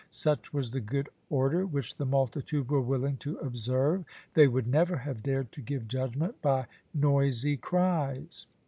Such was the good order which the multitude were willing to observe; they would never have dared to give judgment by noisy cries.